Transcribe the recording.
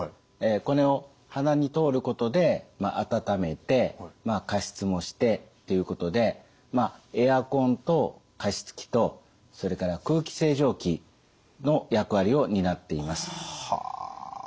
これを鼻に通ることで温めて加湿もしてということでエアコンと加湿器とそれから空気清浄機の役割を担っています。